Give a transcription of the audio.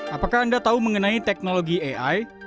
apakah anda tahu mengenai teknologi ai